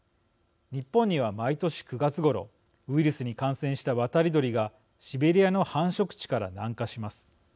日本には毎年９月ごろウイルスに感染した渡り鳥がシベリアの繁殖地から南下します。